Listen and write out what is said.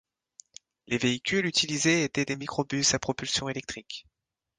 Les véhicules utilisés étaient des microbus à propulsion électrique.